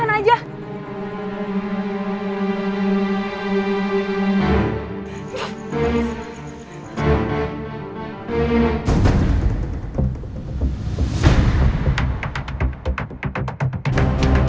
ani gak boleh kayak gitu